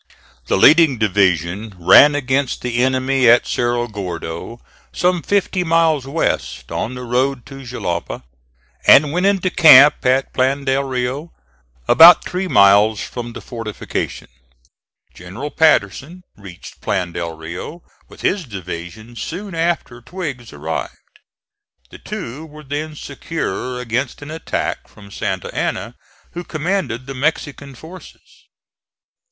The leading division ran against the enemy at Cerro Gordo, some fifty miles west, on the road to Jalapa, and went into camp at Plan del Rio, about three miles from the fortifications. General Patterson reached Plan del Rio with his division soon after Twiggs arrived. The two were then secure against an attack from Santa Anna, who commanded the Mexican forces.